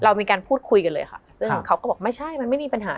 เรามีการพูดคุยกันเลยค่ะซึ่งเขาก็บอกไม่ใช่มันไม่มีปัญหา